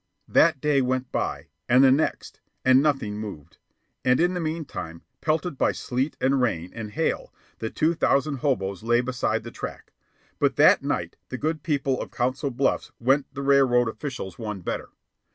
That day went by, and the next, and nothing moved, and in the meantime, pelted by sleet, and rain, and hail, the two thousand hoboes lay beside the track. But that night the good people of Council Bluffs went the railroad officials one better.